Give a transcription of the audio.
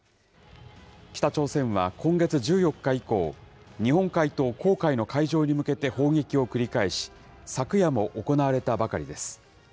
北朝鮮は今月１４日以降、日本海と黄海の海上に向けて砲撃を繰り返し、昨夜も行われたばかりです。